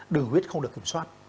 đường huyết không được kiểm soát